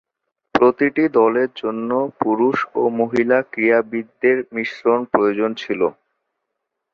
প্রতিটি দলের জন্য পুরুষ ও মহিলা ক্রীড়াবিদদের মিশ্রণ প্রয়োজন ছিল।